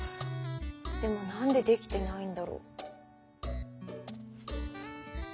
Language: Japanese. でも何でできてないんだろう。